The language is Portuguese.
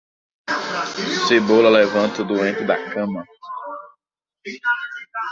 Cebola levanta o doente da cama.